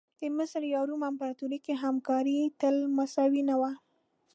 د مصر یا روم امپراتوري کې همکاري تل مساوي نه وه.